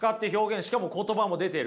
しかも言葉も出てる。